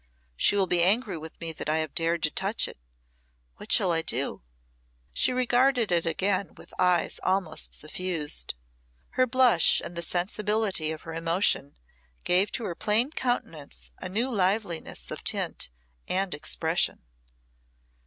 She will be angry with me that I have dared to touch it. What shall I do?" She regarded it again with eyes almost suffused. Her blush and the sensibility of her emotion gave to her plain countenance a new liveliness of tint and expression.